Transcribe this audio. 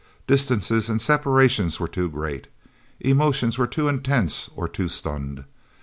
Distances and separations were too great. Emotions were too intense or too stunned.